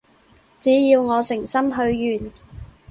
只要我誠心許願